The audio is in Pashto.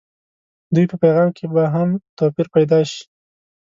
دوی په پیغام کې به هم توپير پيدا شي.